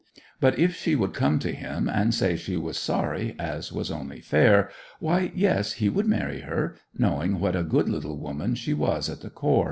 But if she would come to him, and say she was sorry, as was only fair; why, yes, he would marry her, knowing what a good little woman she was at the core.